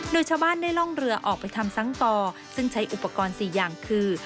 โดยชาวบ้านได้ล่องเรือออกไปทำซ้ำต่อซึ่งใช้อุปกรณ์๔อย่างคือ